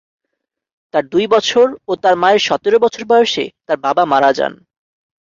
তার দুই বছর ও তার মায়ের সতেরো বছর বয়সে তার বাবা মারা যান।